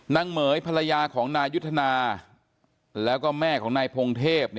เหม๋ยภรรยาของนายยุทธนาแล้วก็แม่ของนายพงเทพ